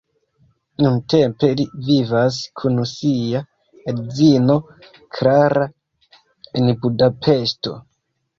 Nuntempe li vivas kun sia edzino Klara en Budapeŝto.